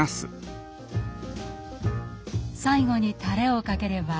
最後にたれをかければ